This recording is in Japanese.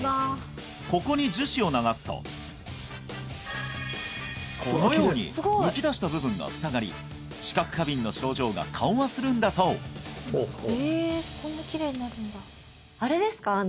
ここに樹脂を流すとこのようにむき出した部分が塞がり知覚過敏の症状が緩和するんだそうあれですか？